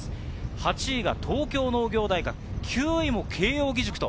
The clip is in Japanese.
８位が東京農業大学、９位も慶應義塾と。